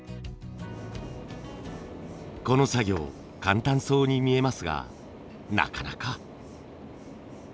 この作業簡単そうに見えますがなかなか。